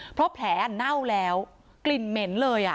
เพราะแผลเน่าแล้วกลิ่นเหม็นเลย